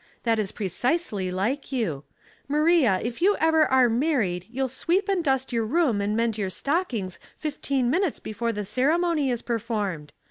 That is precisely like you. Maria if you ever are married you'il sweep and dus^ jowv room and mend your stockings fiftee' minutes before the ceremony is performed.